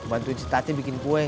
bantuin si tati bikin kue